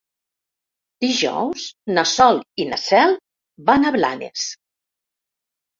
Dijous na Sol i na Cel van a Blanes.